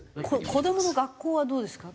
子どもの学校はどうですか？